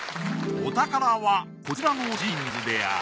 お宝はこちらのジーンズである。